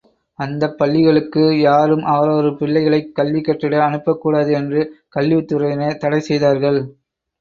அந்தப் பள்ளிகளுக்கு யாரும் அவரவர் பிள்ளைகளைக் கல்வி கற்றிட அனுப்பக் கூடாது என்று கல்வித்துறையினர் தடை செய்தார்கள்.